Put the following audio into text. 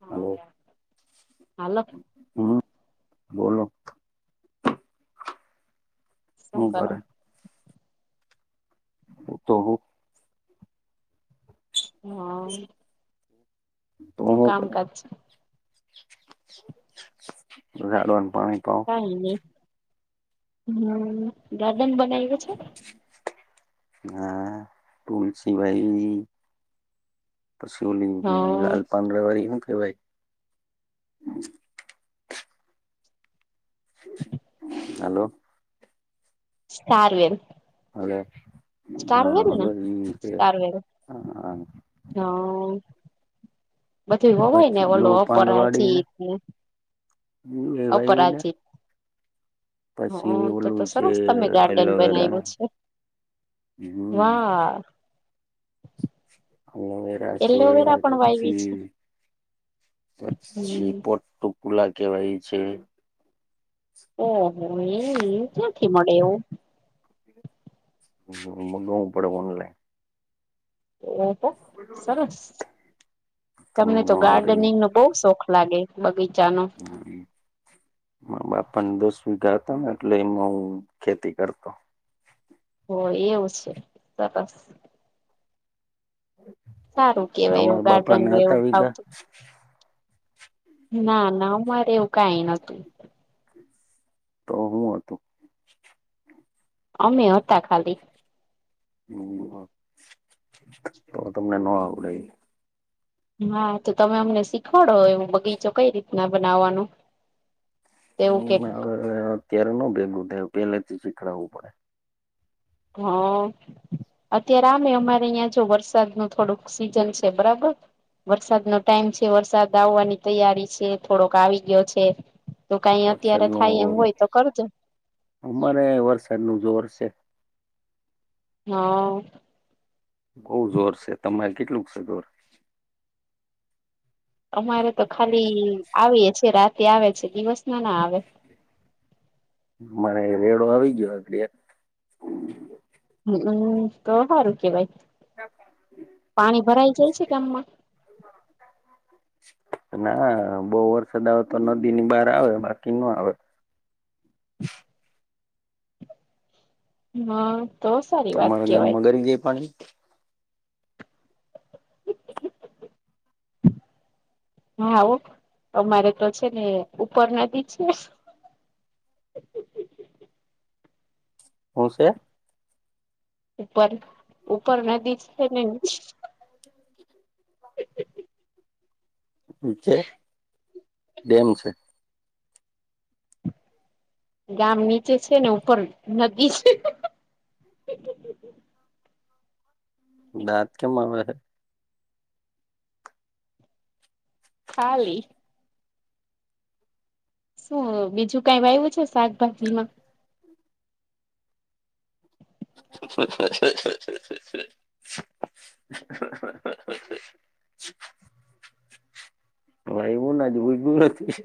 હા hello hello. હમ બોલો શું હું કરો કરે હુતો હું હા તો શું હુ કરે કામકાજ છે ઝાડવાનું પાણી પાઓ કાઈ નઈ હમ્મ ગાર્ડન બનાવ્યું છે હા તુલસી વાઈવી પછી ઓલી હ લાલ પાંદડાંવાળી હું કેવાય [inaudible] હલો સારું એમ હલો હા ને હા [unintelligible] [inaudible] હાઓ બધું હો હોય ને પછી બ્લુ ઓલો અપરાજીત ને હ એ વાઈવી ને હઅ તો ઓલું તો છે સરસ તમે ગાર્ડન એલોવેરા બનાઈવુ છે હમ વા હોવે હોવે એલોવેરા રાજસળ પણ વાવી છે પછી હમ પછી પોટ્ટુકુલા કેવાય ઈ છે ઓહો એ ક્યાંથી મડે એવું હમ્મ મંગાવવું પડે ઓનલાઈન ઓ તો સરસ તમને ન તો આવડે એવું ગાર્ડનિંગ નો બહુ શોખ લાગે બગીચા નો માર બાપા દસ વીઘા હતા ને એટલે એમાં હું ખેતી કરતો હો એવું છે સરસ [inaudible] સારું કેવાય એવું તમારા બાપાને ગાર્ડનું હતા એવું વીઘા ફાવતું ના ના અમારે એવું કઈ નતું તો હું હતું અમે હતા ખાલી [unintelligible] તો તમને ન આવડે ઈ હા તો તમે અમને શીખવાડો એ બગીચો કઈ રીતના બનાવવાનું તેવું ઈ કેક હવે અત્યારે નો ભેગું થાય એ પેલેથી શીખડાવવું પડે હા અત્યારે આમે અમારે ઐયા જો વરસાદ ન થોડુંક સીઝન છે બરાબર વરસાદનો ટાઈમ છે વરસાદ આવવાની તૈયારી છે થોડોક આવી ગયો છે તો કંઈ અત્યારે થાય એમ વરસાદનું હોય તો કરુંજોને, અમારે વરસાદનું જોર છે. હા, બઉ જોર છે, તમારે કેટલુંક છે. ગર અમારે તો ખાલી આવીએ છે, રાતે આવે છે, દિવસના ના આવે. મને રેડો આવી ગયો એટલે, હુંતો સારું કેવાય. [unintelligible] પાણી ભરાઈ જાય છે [inaudible] [unintelligible] [inaudible] ના બહુ વરસાદ આવે તો નદીની બહાર આવે બાકી ન આવે. હાતો સારી વાત કેવાય, કરી જઈ પાણી, હા ઓ અમારે તો છે, ને ઉપર નદી છે. હું છે. ઉપર ઉપર નદી છેને. ચ ડેમ છે. ગામ નીચે છેને, ઉપર નદી છે. દાંત કેમ આવે છે. ખાલી શું બીજું કાંઈ વાવું છે, શાકભાજીમા [unintelligible] [unintelligible] [inaudible] ભાઈ એવું નાજ બુજવુ નથી.